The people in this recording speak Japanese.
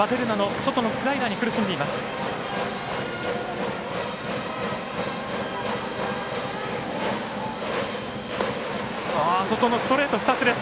外のストレート２つです。